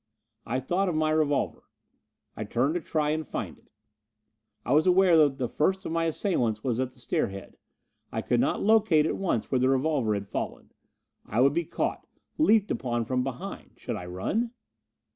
I thought of my revolver. I turned to try and find it. I was aware that the first of my assailants was at the stairhead. I could not locate at once where the revolver had fallen. I would be caught, leaped upon from behind. Should I run?